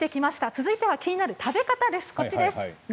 続いては気になる食べ方です。